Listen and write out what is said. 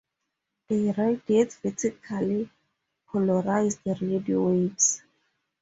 They radiate vertically polarized radio waves.